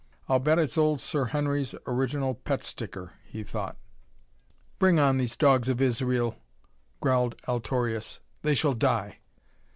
"I'll bet it's old Sir Henry's original pet sticker," he thought. "Bring on these dogs of Israel," growled Altorius. "They shall die!"